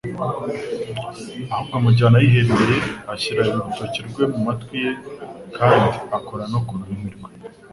Ahubwo amujyana ahiherereye, ashyira Lirutoki rwe mu matwi ye kandi akora no ku rurimi mve,